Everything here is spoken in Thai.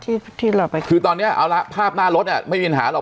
ที่ที่เราไปคุยคือตอนเนี้ยเอาละภาพหน้ารถอ่ะไม่มีปัญหาหรอก